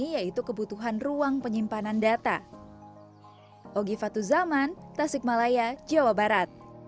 yaitu kebutuhan ruang penyimpanan data